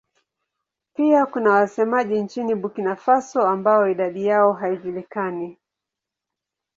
Pia kuna wasemaji nchini Burkina Faso ambao idadi yao haijulikani.